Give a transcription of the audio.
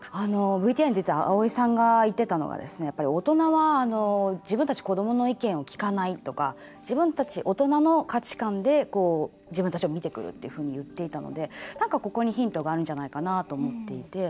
ＶＴＲに出てたあおいさんが言っていたのは大人は、自分たち子どもの意見を聞かないとか自分たち、大人の価値観で自分たちを見てくるというふうに言っていたので何か、ここにヒントがあるんじゃないかなと思っていて。